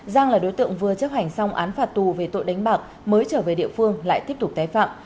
giang là đối tượng vừa chấp hành xong án phạt tù về tội đánh bạc mới trở về địa phương lại tiếp tục tái phạm